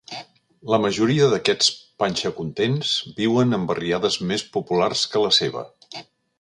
La majoria d'aquests panxacontents viuen en barriades més populars que la seva.